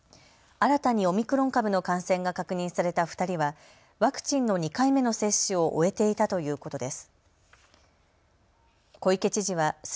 新たにオミクロン株の感染が確認された２人はワクチンの２回目の接種を終えていたということです。